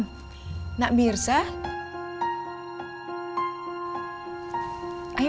kalau kamu terus berpilihan